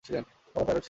বাবা পাইলট ছিল।